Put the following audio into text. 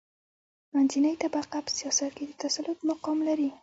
منځنۍ طبقه په سیاست کې د تسلط مقام لري.